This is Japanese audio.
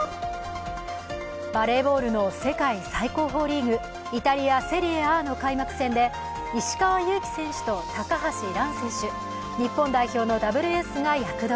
バレーボールの世界最高峰リーグ、イタリア・セリエＡの開幕戦で石川祐希選手と高橋藍選手、日本代表のダブルエースが躍動。